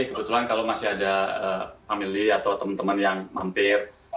kebetulan kalau masih ada family atau teman teman yang mampir